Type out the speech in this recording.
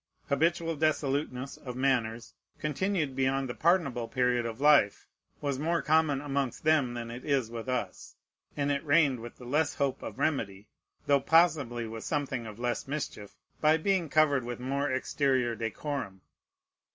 Habitual dissoluteness of manners, continued beyond the pardonable period of life, was more common amongst them than it is with us; and it reigned with the less hope of remedy, though possibly with something of less mischief, by being covered with more exterior decorum.